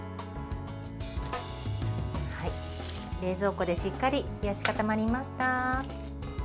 冷蔵庫でしっかり冷やし固まりました。